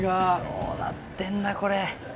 どうなってんだこれ。